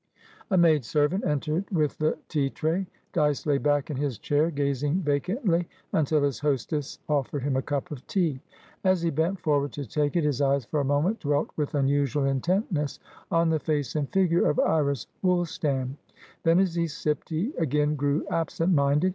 A maidservant entered with the tea tray. Dyce lay back in his chair, gazing vacantly, until his hostess offered him a cup of tea. As he bent forward to take it, his eyes for a moment dwelt with unusual intentness on the face and figure of Iris Woolstan. Then, as he sipped, he again grew absent minded.